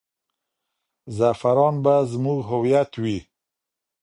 زعفران به زموږ هویت وي.